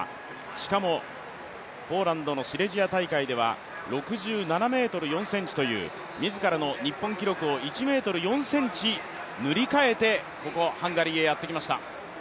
しかもポーランドのシレジア大会では６７ｍ４ｃｍという自らの日本記録を１ｍ４ｃｍ塗り替えてここハンガリーへやってきました。